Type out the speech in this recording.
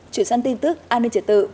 chuyển sang tin tức an ninh trẻ tự